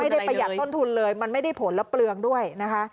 ประหยัดต้นทุนเลยมันไม่ได้ผลและเปลืองด้วยนะคะ